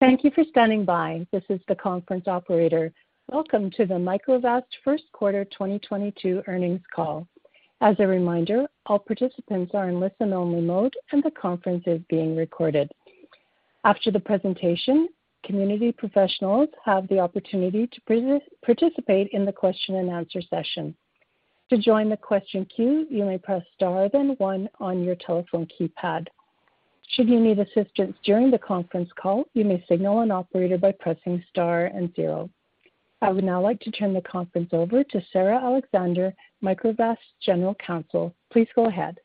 Thank you for standing by. This is the conference operator. Welcome to the Microvast first quarter 2022 earnings call. As a reminder, all participants are in listen-only mode, and the conference is being recorded. After the presentation, call participants have the opportunity to participate in the question-and-answer session. To join the question queue, you may press Star then one on your telephone keypad. Should you need assistance during the conference call, you may signal an operator by pressing Star and zero. I would now like to turn the conference over to Sarah Alexander, Microvast General Counsel. Please go ahead.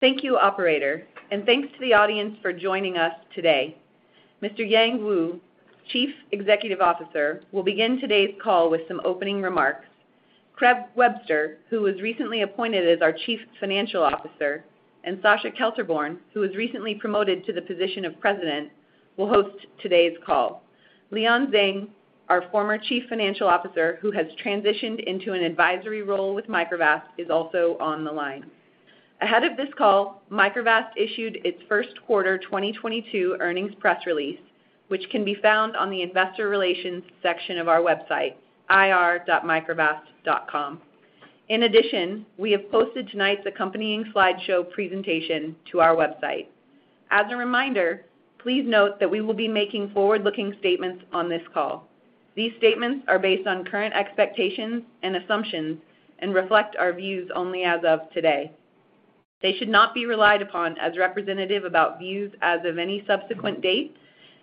Thank you, operator, and thanks to the audience for joining us today. Mr. Yang Wu, Chief Executive Officer, will begin today's call with some opening remarks. Craig Webster, who was recently appointed as our Chief Financial Officer, and Sascha Kelterborn, who was recently promoted to the position of President, will host today's call. Leon Zheng, our former Chief Financial Officer, who has transitioned into an advisory role with Microvast, is also on the line. Ahead of this call, Microvast issued its first quarter 2022 earnings press release, which can be found on the investor relations section of our website, ir.microvast.com. In addition, we have posted tonight's accompanying slideshow presentation to our website. As a reminder, please note that we will be making forward-looking statements on this call. These statements are based on current expectations and assumptions and reflect our views only as of today. They should not be relied upon as representative about views as of any subsequent date,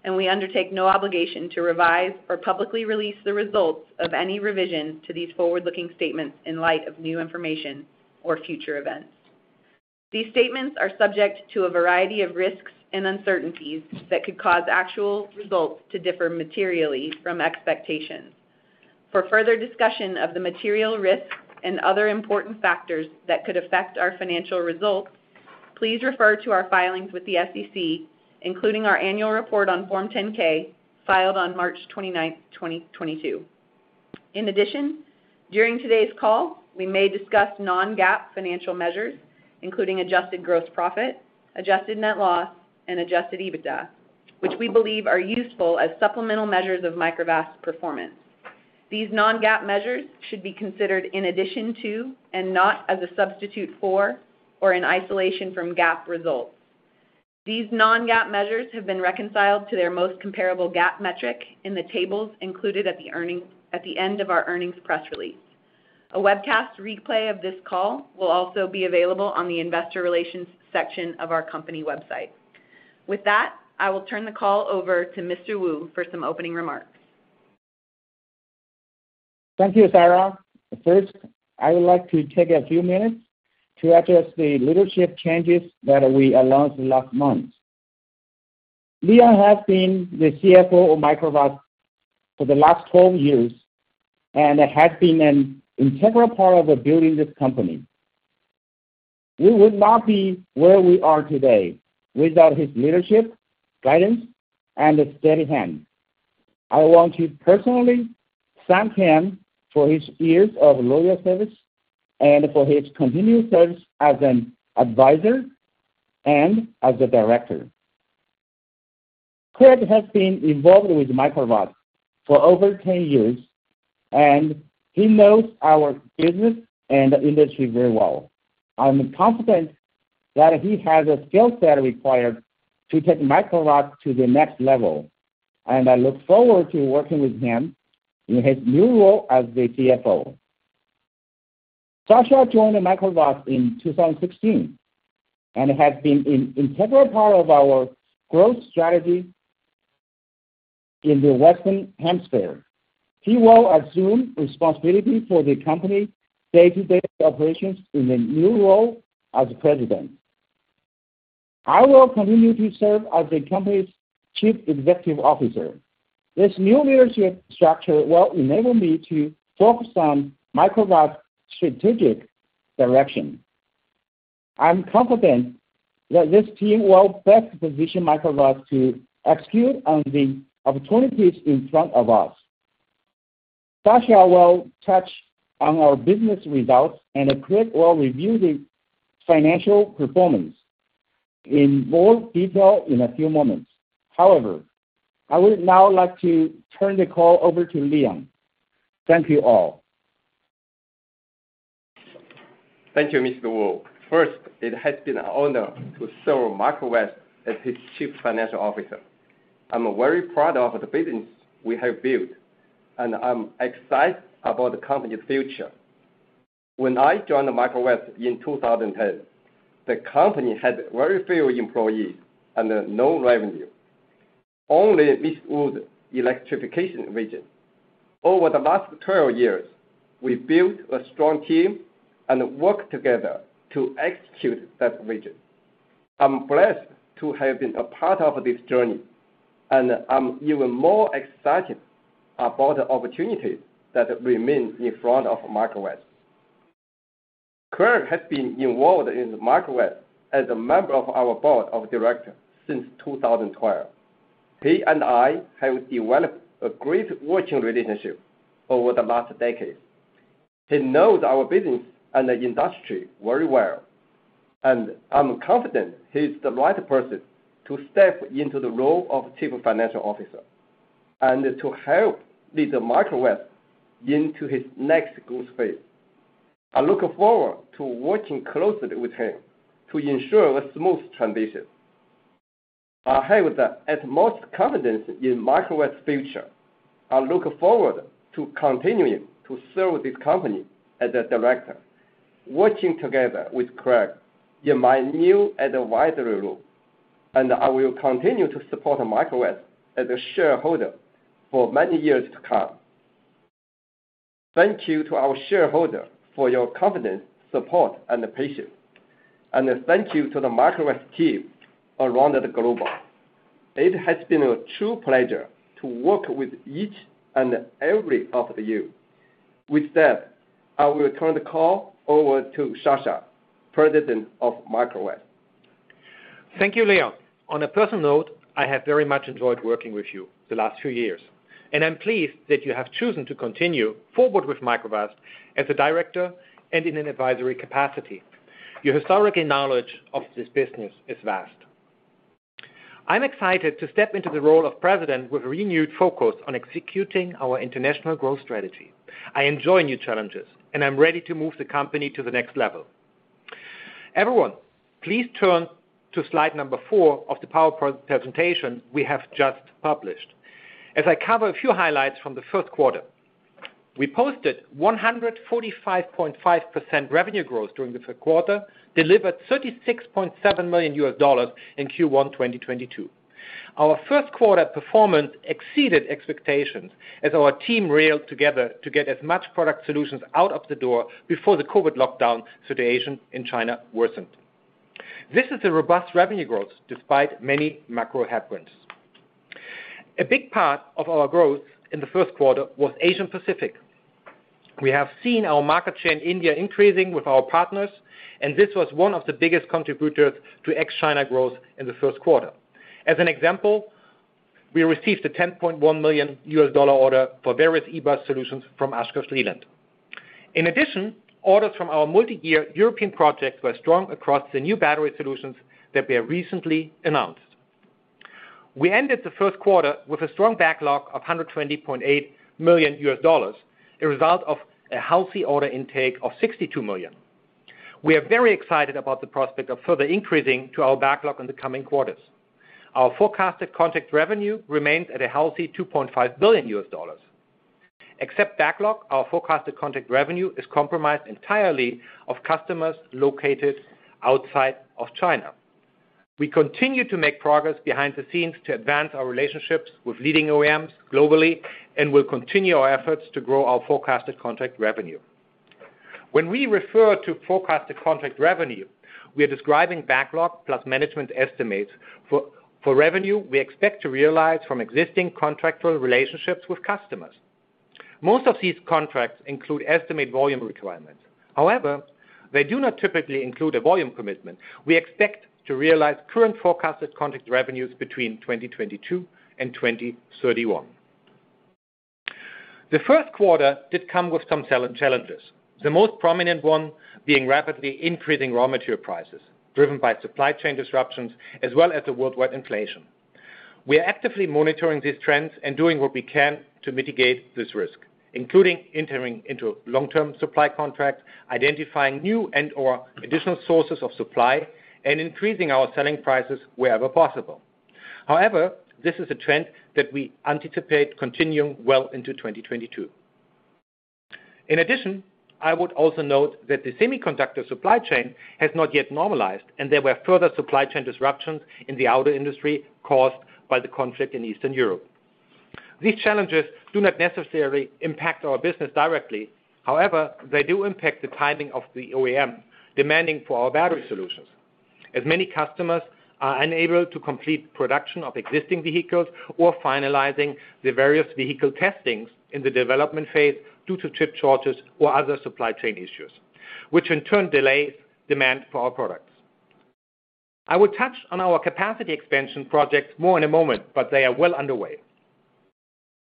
and we undertake no obligation to revise or publicly release the results of any revision to these forward-looking statements in light of new information or future events. These statements are subject to a variety of risks and uncertainties that could cause actual results to differ materially from expectations. For further discussion of the material risks and other important factors that could affect our financial results, please refer to our filings with the SEC, including our annual report on Form 10-K, filed on March 29th, 2022. In addition, during today's call, we may discuss non-GAAP financial measures, including adjusted gross profit, adjusted net loss, and adjusted EBITDA, which we believe are useful as supplemental measures of Microvast's performance. These non-GAAP measures should be considered in addition to and not as a substitute for or in isolation from GAAP results. These non-GAAP measures have been reconciled to their most comparable GAAP metric in the tables included at the end of our earnings press release. A webcast replay of this call will also be available on the investor relations section of our company website. With that, I will turn the call over to Mr. Wu for some opening remarks. Thank you, Sarah. First, I would like to take a few minutes to address the leadership changes that we announced last month. Leon has been the CFO of Microvast for the last 12 years and has been an integral part of building this company. We would not be where we are today without his leadership, guidance, and a steady hand. I want to personally thank him for his years of loyal service and for his continued service as an advisor and as a director. Craig has been involved with Microvast for over 10 years, and he knows our business and industry very well. I'm confident that he has the skill set required to take Microvast to the next level, and I look forward to working with him in his new role as the CFO. Sascha joined Microvast in 2016 and has been an integral part of our growth strategy in the Western Hemisphere. He will assume responsibility for the company day-to-day operations in the new role as president. I will continue to serve as the company's Chief Executive Officer. This new leadership structure will enable me to focus on Microvast's strategic direction. I'm confident that this team will best position Microvast to execute on the opportunities in front of us. Sascha will touch on our business results, and Craig will review the financial performance in more detail in a few moments. However, I would now like to turn the call over to Leon. Thank you all. Thank you, Mr. Wu. First, it has been an honor to serve Microvast as its Chief Financial Officer. I'm very proud of the business we have built, and I'm excited about the company's future. When I joined Microvast in 2010, the company had very few employees and no revenue. Only this bold electrification vision. Over the last 12 years, we built a strong team and worked together to execute that vision. I'm blessed to have been a part of this journey, and I'm even more excited about the opportunities that remain in front of Microvast. Craig has been involved in Microvast as a member of our board of directors since 2012. He and I have developed a great working relationship over the last decade. He knows our business and the industry very well, and I'm confident he's the right person to step into the role of chief financial officer and to help lead Microvast into its next growth phase. I look forward to working closely with him to ensure a smooth transition. I have the utmost confidence in Microvast's future. I look-forward to continuing to serve this company as a director, working together with Craig in my new advisory role, and I will continue to support Microvast as a shareholder for many years to come. Thank you to our shareholders for your confidence, support, and patience. Thank you to the Microvast team around the globe. It has been a true pleasure to work with each and every one of you. With that, I will turn the call over to Sascha, President of Microvast. Thank you, Leon. On a personal note, I have very much enjoyed working with you the last few years, and I'm pleased that you have chosen to continue forward with Microvast as a director and in an advisory capacity. Your historical knowledge of this business is vast. I'm excited to step into the role of president with renewed focus on executing our international growth strategy. I enjoy new challenges, and I'm ready to move the company to the next level. Everyone, please turn to slide number four of the PowerPoint presentation we have just published as I cover a few highlights from the first quarter. We posted 145.5% revenue growth during the third quarter, delivered $36.7 million in Q1 2022. Our first quarter performance exceeded expectations as our team rallied together to get as much product solutions out of the door before the COVID lockdown situation in China worsened. This is a robust revenue growth despite many macro headwinds. A big part of our growth in the first quarter was Asia Pacific. We have seen our market share in India increasing with our partners, and this was one of the biggest contributors to ex-China growth in the first quarter. As an example, we received a $10.1 million order for various e-bus solutions from Ashok Leyland. In addition, orders from our multi-year European projects were strong across the new battery solutions that were recently announced. We ended the first quarter with a strong backlog of $120.8 million, a result of a healthy order intake of $62 million. We are very excited about the prospect of further increasing our backlog in the coming quarters. Our forecasted contract revenue remains at a healthy $2.5 billion. Excluding backlog, our forecasted contract revenue is comprised entirely of customers located outside of China. We continue to make progress behind the scenes to advance our relationships with leading OEMs globally, and we'll continue our efforts to grow our forecasted contract revenue. When we refer to forecasted contract revenue, we are describing backlog plus management estimates for revenue we expect to realize from existing contractual relationships with customers. Most of these contracts include estimated volume requirements. However, they do not typically include a volume commitment. We expect to realize current forecasted contract revenues between 2022 and 2031. The first quarter did come with some challenges, the most prominent one being rapidly increasing raw material prices, driven by supply chain disruptions as well as the worldwide inflation. We are actively monitoring these trends and doing what we can to mitigate this risk, including entering into long-term supply contracts, identifying new and/or additional sources of supply, and increasing our selling prices wherever possible. However, this is a trend that we anticipate continuing well into 2022. In addition, I would also note that the semiconductor supply chain has not yet normalized, and there were further supply chain disruptions in the auto industry caused by the conflict in Eastern Europe. These challenges do not necessarily impact our business directly. However, they do impact the timing of the OEM demand for our battery solutions, as many customers are unable to complete production of existing vehicles or finalizing the various vehicle testing in the development phase due to chip shortages or other supply chain issues, which in turn delays demand for our products. I will touch on our capacity expansion projects more in a moment, but they are well underway.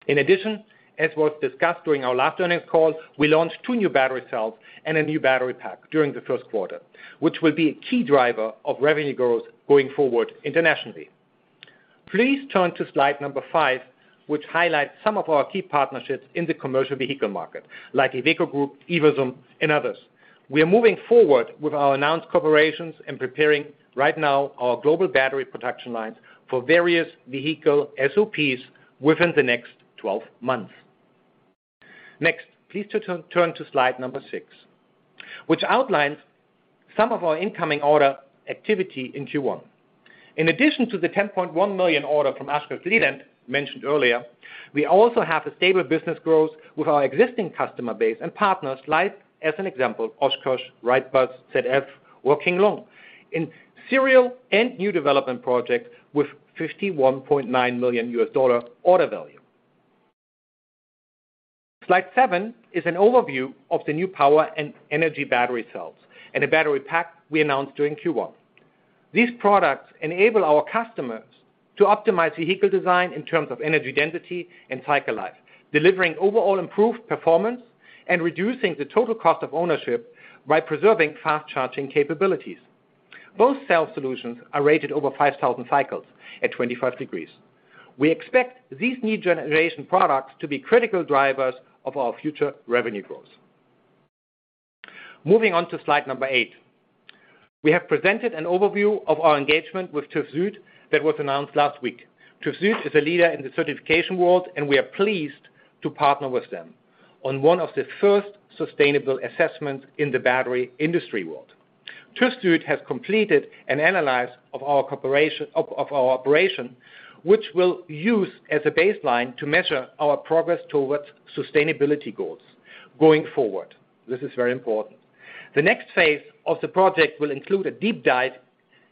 In addition, as was discussed during our last earnings call, we launched two new battery cells and a new battery pack during the first quarter, which will be a key driver of revenue growth going forward internationally. Please turn to slide number five, which highlights some of our key partnerships in the commercial vehicle market, like Iveco Group, EvoBus, and others. We are moving forward with our announced collaborations and preparing right now our global battery production lines for various vehicle SOPs within the next 12 months. Please turn to slide six, which outlines some of our incoming order activity in Q1. In addition to the $10.1 million order from Ashok Leyland mentioned earlier, we also have a stable business growth with our existing customer base and partners like, as an example, Oshkosh, Wrightbus, ZF, King Long in serial and new development projects with $51.9 million order value. Slide seven is an overview of the new power and energy battery cells and the battery pack we announced during Q1. These products enable our customers to optimize vehicle design in terms of energy density and cycle life, delivering overall improved performance and reducing the total cost of ownership by preserving fast charging capabilities. Both cell solutions are rated over 5,000 cycles at 25 degrees. We expect these new generation products to be critical drivers of our future revenue growth. Moving on to slide number eight. We have presented an overview of our engagement with TÜV SÜD that was announced last week. TÜV SÜD is a leader in the certification world, and we are pleased to partner with them on one of the first sustainable assessments in the battery industry world. TÜV SÜD has completed an analysis of our operation, which we'll use as a baseline to measure our progress towards sustainability goals going forward. This is very important. The next phase of the project will include a deep dive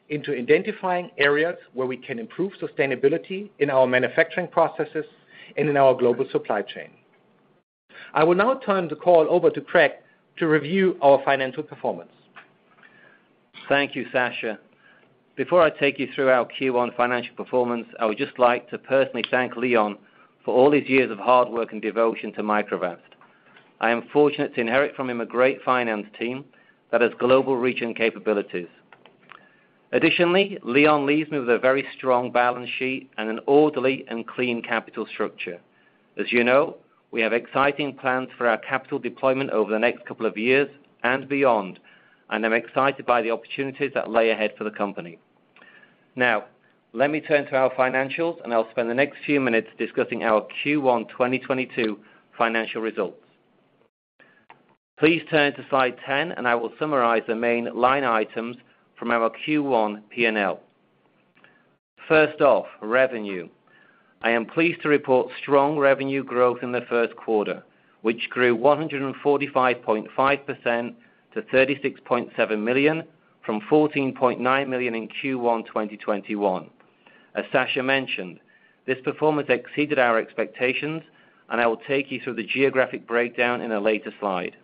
into identifying areas where we can improve sustainability in our manufacturing processes and in our global supply chain. I will now turn the call over to Craig to review our financial performance. Thank you, Sasha. Before I take you through our Q1 financial performance, I would just like to personally thank Leon for all his years of hard work and devotion to Microvast. I am fortunate to inherit from him a great finance team that has global reach and capabilities. Additionally, Leon leaves me with a very strong balance sheet and an orderly and clean capital structure. As you know, we have exciting plans for our capital deployment over the next couple of years and beyond, and I'm excited by the opportunities that lie ahead for the company. Now let me turn to our financials, and I'll spend the next few minutes discussing our Q1 2022 financial results. Please turn to slide 10, and I will summarize the main line items from our Q1 P&L. First off, revenue.I am pleased to report strong revenue growth in the first quarter, which grew 145.5% to $36.7 million, from $14.9 million in Q1 2021. As Sascha mentioned, this performance exceeded our expectations, and I will take you through the geographic breakdown in a later slide.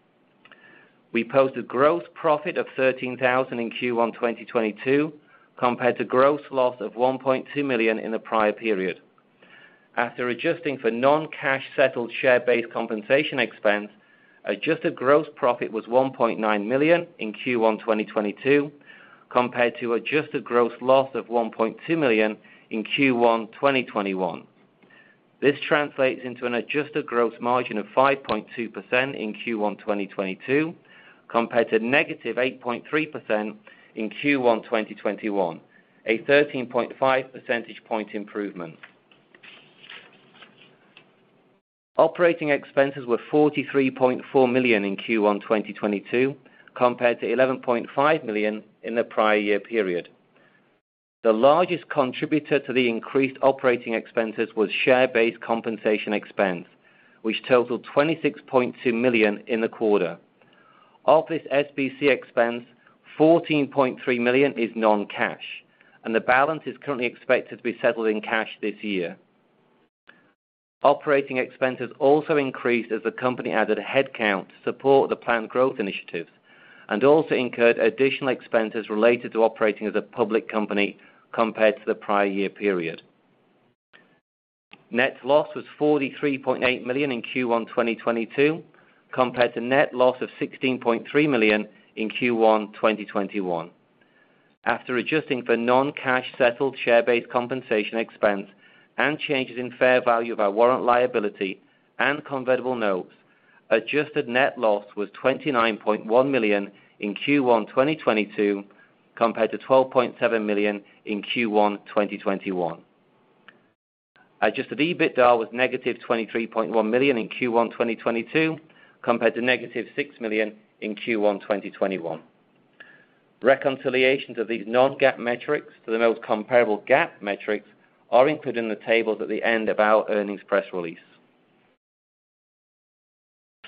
We posted gross profit of $13,000 in Q1 2022, compared to gross loss of $1.2 million in the prior period. After adjusting for non-cash settled share-based compensation expense, adjusted gross profit was $1.9 million in Q1 2022, compared to adjusted gross loss of $1.2 million in Q1 2021. This translates into an adjusted gross margin of 5.2% in Q1 2022, compared to -8.3% in Q1 2021, a 13.5% point improvement. Operating expenses were $43.4 million in Q1 2022, compared to $11.5 million in the prior year period. The largest contributor to the increased operating expenses was share-based compensation expense, which totaled $26.2 million in the quarter. Of this SBC expense, $14.3 million is non-cash, and the balance is currently expected to be settled in cash this year. Operating expenses also increased as the company added headcount to support the planned growth initiatives and also incurred additional expenses related to operating as a public company compared to the prior year period. Net loss was $43.8 million in Q1 2022, compared to net loss of $16.3 million in Q1 2021. After adjusting for non-cash settled share-based compensation expense and changes in fair value of our warrant liability and convertible notes, adjusted net loss was $29.1 million in Q1 2022, compared to $12.7 million in Q1 2021. Adjusted EBITDA was -$23.1 million in Q1 2022, compared to -$6 million in Q1 2021. Reconciliations of these non-GAAP metrics to the most comparable GAAP metrics are included in the tables at the end of our earnings press release.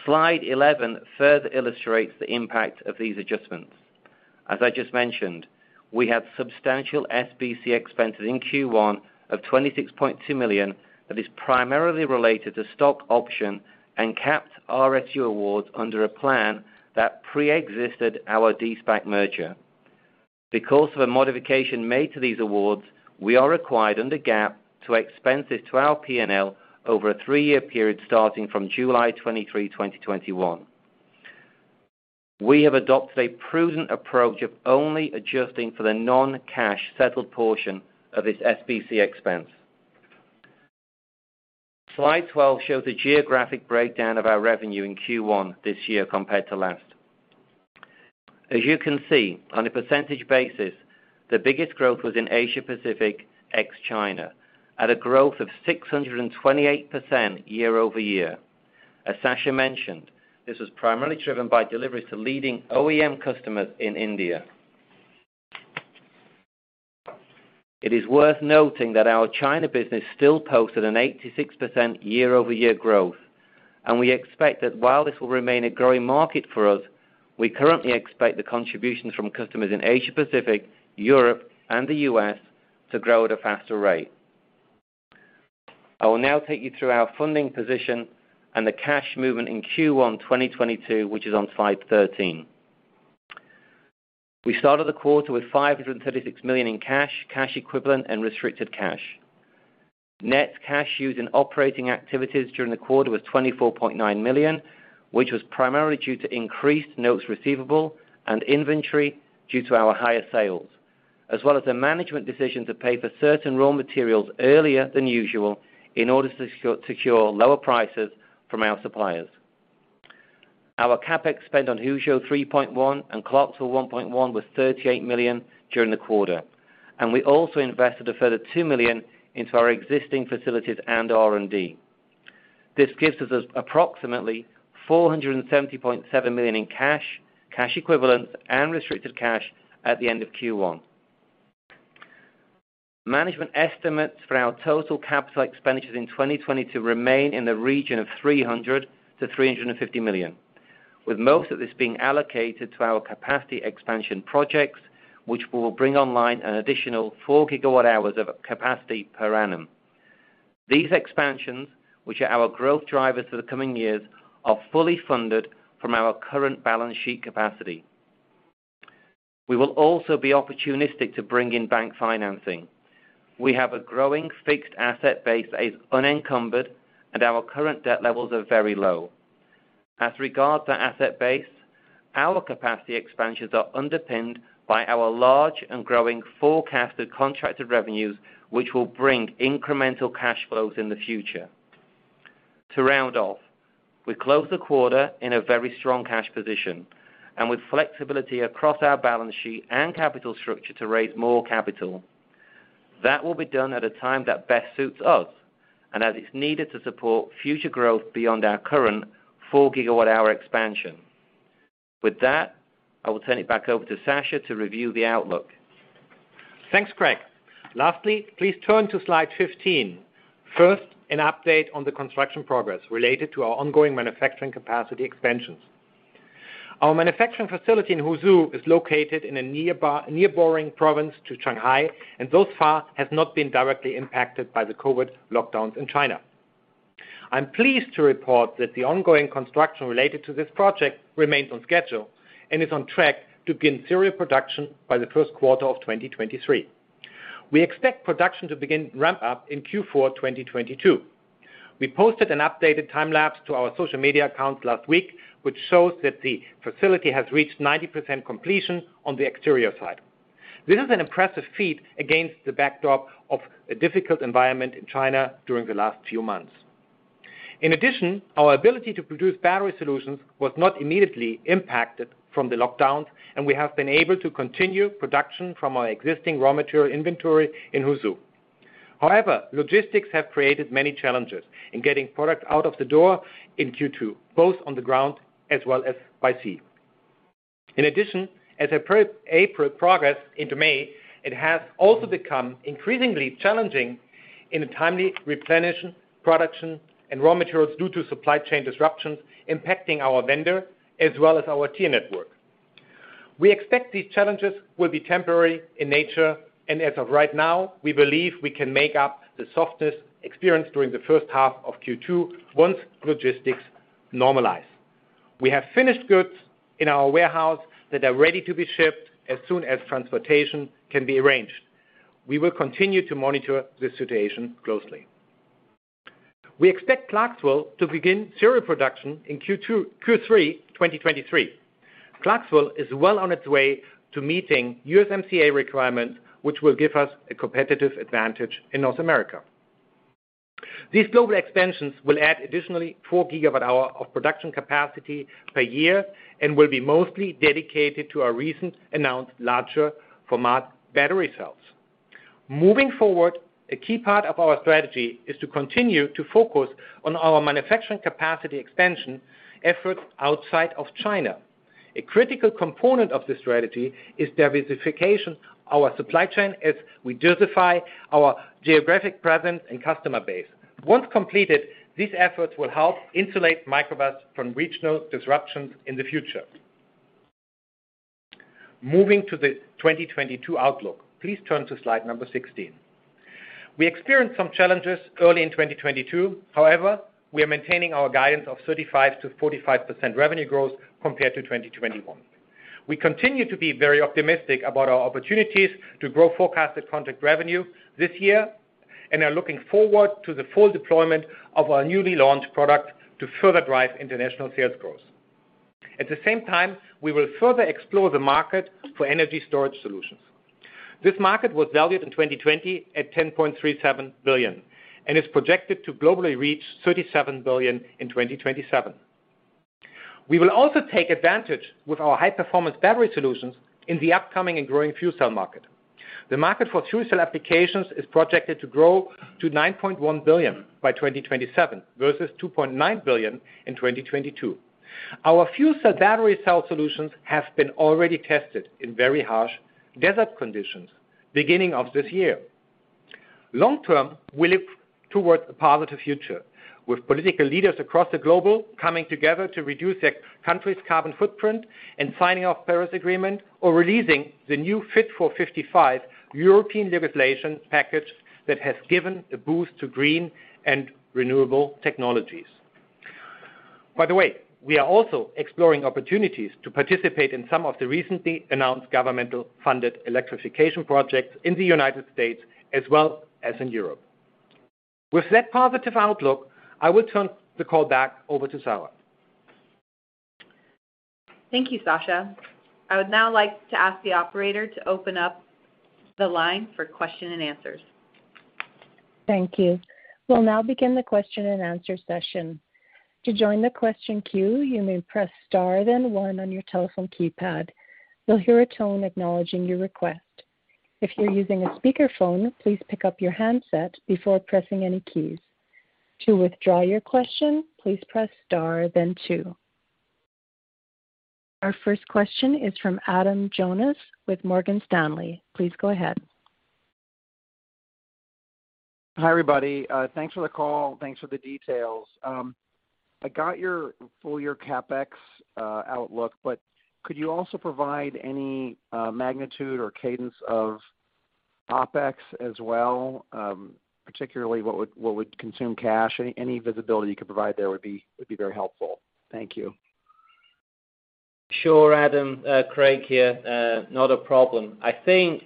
Slide 11 further illustrates the impact of these adjustments. As I just mentioned, we have substantial SBC expenses in Q1 of $26.2 million that is primarily related to stock option and capped RSU awards under a plan that preexisted our de-SPAC merger. Because of a modification made to these awards, we are required under GAAP to expense this to our P&L over a three-year period starting from July 23, 2021. We have adopted a prudent approach of only adjusting for the non-cash settled portion of this SBC expense. Slide 12 shows the geographic breakdown of our revenue in Q1 this year compared to last. As you can see, on a percentage basis, the biggest growth was in Asia-Pacific, ex-China, at a growth of 628% year-over-year. As Sascha mentioned, this was primarily driven by deliveries to leading OEM customers in India. It is worth noting that our China business still posted an 86% year-over-year growth, and we expect that while this will remain a growing market for us, we currently expect the contributions from customers in Asia-Pacific, Europe, and the U.S. to grow at a faster rate. I will now take you through our funding position and the cash movement in Q1 2022, which is on slide 13. We started the quarter with $536 million in cash equivalents, and restricted cash. Net cash used in operating activities during the quarter was $24.9 million, which was primarily due to increased notes receivable and inventory due to our higher sales, as well as a management decision to pay for certain raw materials earlier than usual in order to secure lower prices from our suppliers. Our CapEx spend on Huzhou, $3.1 million, and Clarksville, $1.1 million, was $38 million during the quarter. We also invested a further $2 million into our existing facilities and R&D. This gives us approximately $470.7 million in cash equivalents, and restricted cash at the end of Q1. Management estimates for our total capital expenditures in 2020 to remain in the region of $300 million-$350 million, with most of this being allocated to our capacity expansion projects, which will bring online an additional 4 gigawatt hours of capacity per annum. These expansions, which are our growth drivers for the coming years, are fully funded from our current balance sheet capacity. We will also be opportunistic to bring in bank financing. We have a growing fixed asset base that is unencumbered, and our current debt levels are very low. As regards to asset base, our capacity expansions are underpinned by our large and growing forecasted contracted revenues, which will bring incremental cash flows in the future. To round off, we closed the quarter in a very strong cash position and with flexibility across our balance sheet and capital structure to raise more capital. That will be done at a time that best suits us and as it's needed to support future growth beyond our current 4 GWh expansion. With that, I will turn it back over to Sascha to review the outlook. Thanks, Craig. Lastly, please turn to slide 15. First, an update on the construction progress related to our ongoing manufacturing capacity expansions. Our manufacturing facility in Huzhou is located in a neighboring province to Shanghai, and thus far has not been directly impacted by the COVID lockdowns in China. I'm pleased to report that the ongoing construction related to this project remains on schedule and is on track to begin serial production by the first quarter of 2023. We expect production to begin ramp up in Q4 2022. We posted an updated time lapse to our social media accounts last week, which shows that the facility has reached 90% completion on the exterior side. This is an impressive feat against the backdrop of a difficult environment in China during the last few months. Our ability to produce battery solutions was not immediately impacted from the lockdowns, and we have been able to continue production from our existing raw material inventory in Huzhou. However, logistics have created many challenges in getting product out of the door in Q2, both on the ground as well as by sea. In addition, as April progressed into May, it has also become increasingly challenging to timely replenish production and raw materials due to supply chain disruptions impacting our vendor as well as our tier network. We expect these challenges will be temporary in nature, and as of right now, we believe we can make up the softness experienced during the first half of Q2, once logistics normalize. We have finished goods in our warehouse that are ready to be shipped as soon as transportation can be arranged. We will continue to monitor the situation closely. We expect Clarksville to begin serial production in Q2-Q3 2023. Clarksville is well on its way to meeting USMCA requirements, which will give us a competitive advantage in North America. These global expansions will add additionally 4GWh of production capacity per year and will be mostly dedicated to our recently announced larger format battery cells. Moving forward, a key part of our strategy is to continue to focus on our manufacturing capacity expansion efforts outside of China. A critical component of this strategy is diversifying our supply chain as we diversify our geographic presence and customer base. Once completed, these efforts will help insulate Microvast from regional disruptions in the future. Moving to the 2022 outlook, please turn to slide number 16. We experienced some challenges early in 2022. However, we are maintaining our guidance of 35%-45% revenue growth compared to 2021. We continue to be very optimistic about our opportunities to grow forecasted contract revenue this year and are looking -forward to the full deployment of our newly launched product to further drive international sales growth. At the same time, we will further explore the market for energy storage solutions. This market was valued in 2020 at $10.37 billion and is projected to globally reach $37 billion in 2027. We will also take advantage with our high-performance battery solutions in the upcoming and growing fuel cell market. The market for fuel cell applications is projected to grow to $9.1 billion by 2027 versus $2.9 billion in 2022. Our fuel cell battery cell solutions have been already tested in very harsh desert conditions beginning of this year. Long-term, we look towards a positive future with political leaders across the globe coming together to reduce their country's carbon footprint and signing the Paris Agreement or releasing the new Fit for 55 European legislation package that has given a boost to green and renewable technologies. By the way, we are also exploring opportunities to participate in some of the recently announced governmental funded electrification projects in the United States as well as in Europe. With that positive outlook, I will turn the call back over to Sarah. Thank you, Sascha. I would now like to ask the operator to open up the line for question-and-answers. Thank you. We'll now begin the question-and-answer session. To join the question queue, you may press star then one on your telephone keypad. You'll hear a tone acknowledging your request. If you're using a speaker phone, please pick up your handset before pressing any keys. To withdraw your question, please press star then two. Our first question is from Adam Jonas with Morgan Stanley. Please go ahead. Hi, everybody. Thanks for the call. Thanks for the details. I got your full-year CapEx outlook, but could you also provide any magnitude or cadence of OpEx as well, particularly what would consume cash? Any visibility you could provide there would be very helpful. Thank you. Sure, Adam. Craig here. Not a problem. I think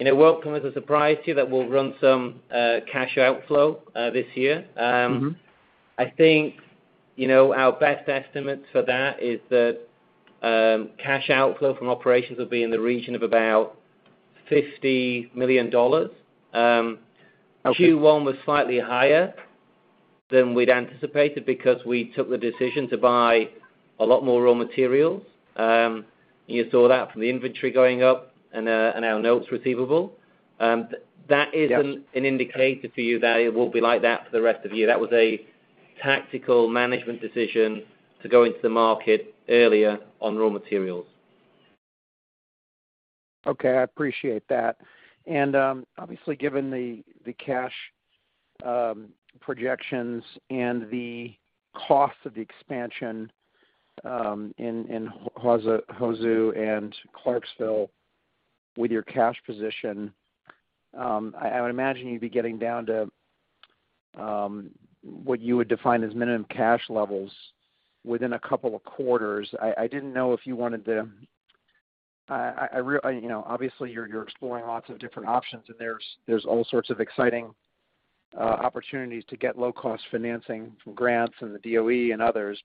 it won't come as a surprise to you that we'll run some cash outflow this year. Mm-hmm. I think, you know, our best estimates for that is that, cash outflow from operations will be in the region of about $50 million. Okay. Q1 was slightly higher than we'd anticipated because we took the decision to buy a lot more raw materials. You saw that from the inventory going up and our notes receivable. Yeah. An indicator to you that it will be like that for the rest of the year. That was a tactical management decision to go into the market earlier on raw materials. Okay. I appreciate that. Obviously, given the cash projections and the cost of the expansion in Huzhou and Clarksville with your cash position, I would imagine you'd be getting down to what you would define as minimum cash levels within a couple of quarters. I didn't know if you wanted to. You know, obviously, you're exploring lots of different options and there's all sorts of exciting opportunities to get low-cost financing from grants and the DOE and others.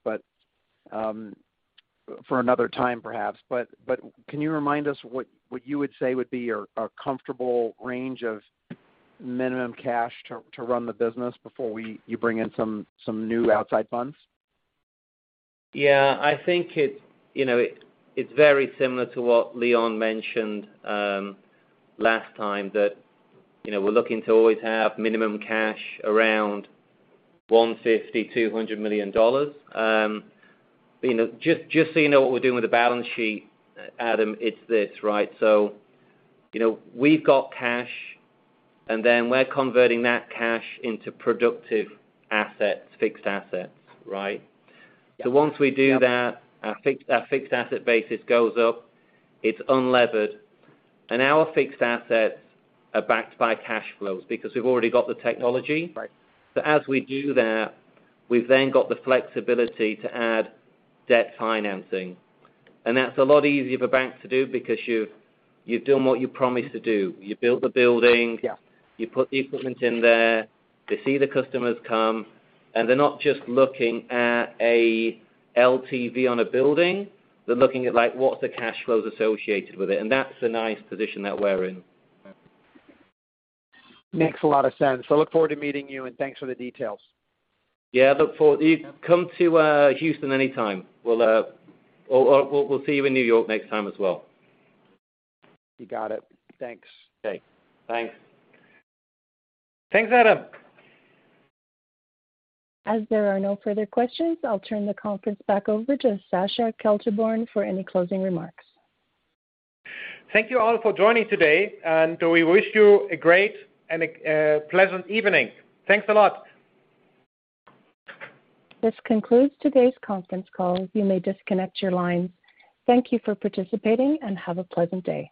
For another time perhaps, but can you remind us what you would say would be your comfortable range of minimum cash to run the business before you bring in some new outside funds? Yeah. I think you know it's very similar to what Leon mentioned last time that you know we're looking to always have minimum cash around $150-$200 million. You know just so you know what we're doing with the balance sheet, Adam, it's this, right? You know we've got cash and then we're converting that cash into productive assets, fixed assets, right? Yeah. Once we do that, our fixed asset basis goes up. It's unlevered. Our fixed assets are backed by cash flows because we've already got the technology. Right. as we do that, we've then got the flexibility to add debt financing. That's a lot easier for banks to do because you've done what you promised to do. You built the building. Yeah. You put the equipment in there. They see the customers come, and they're not just looking at a LTV on a building. They're looking at like what the cash flows associated with it, and that's a nice position that we're in. Makes a lot of sense. I look forward to meeting you, and thanks for the details. Yeah, look forward. You come to Houston anytime. Or we'll see you in New York next time as well. You got it. Thanks. Okay. Thanks. Thanks, Adam. As there are no further questions, I'll turn the conference back over to Sascha Kelterborn for any closing remarks. Thank you all for joining today, and we wish you a great and pleasant evening. Thanks a lot. This concludes today's conference call. You may disconnect your lines. Thank you for participating and have a pleasant day.